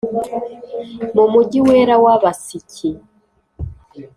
mu mugi wera w’abasiki